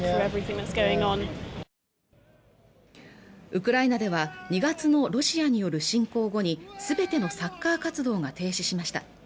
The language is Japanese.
ウクライナでは２月のロシアによる侵攻後にすべてのサッカー活動が停止しました